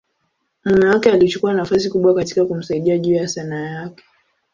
mume wake alichukua nafasi kubwa katika kumsaidia juu ya Sanaa yake.